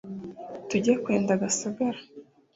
tujye kwenda gasagara,